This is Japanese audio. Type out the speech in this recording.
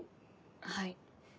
はい。